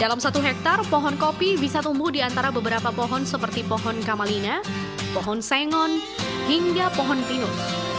dalam satu hektare pohon kopi bisa tumbuh di antara beberapa pohon seperti pohon kamalina pohon sengon hingga pohon pinus